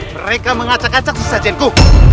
mereka mengacak acak sesajengku